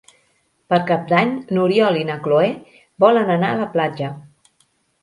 Per Cap d'Any n'Oriol i na Cloè volen anar a la platja.